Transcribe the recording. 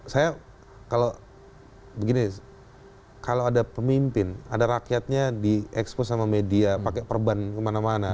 saya kalau begini kalau ada pemimpin ada rakyatnya diekspos sama media pakai perban kemana mana